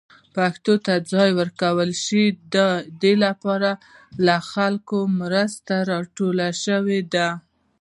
پښتو ته ځای ورکړل شو، د دې لپاره له خلکو مرسته ترلاسه شوې ده.